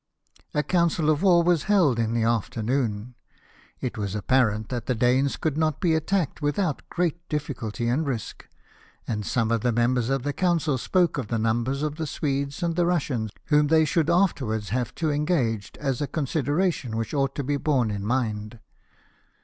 A council of war was held in the afternoon. It was apparent that the Danes could not be attacked without great difficulty and risk, and some of the members of the council spoke of the number of the Swedes and the Eussians, whom they should after wards have to engage, as a consideration which ought to be borne in mind.